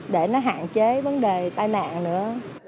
để nó hạn chế vấn đề tai nạn nữa